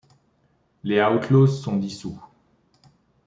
Les Outlaws sont dissous.